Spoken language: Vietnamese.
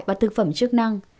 và thực phẩm chức năng